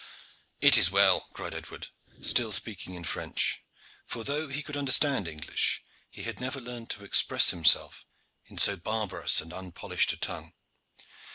"It is well," cried Edward, still speaking in French: for, though he could understand English, he had never learned to express himself in so barbarous and unpolished a tongue.